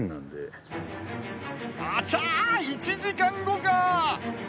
あちゃ１時間後か。